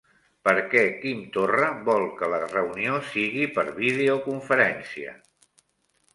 Per què Quim Torra vol que la reunió sigui per videoconferència?